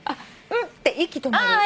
「うんっ！」って息止める。